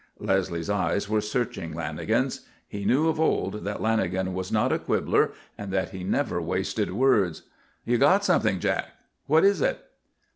Leslie's eyes were searching Lanagan's. He knew of old that Lanagan was not a quibbler and that he never wasted words. "You've got something, Jack. What is it?"